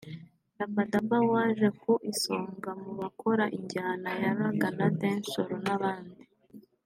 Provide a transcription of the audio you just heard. Rabadaba waje ku isonga mu bakora injyana ya Ragga/Dancehall n'abandi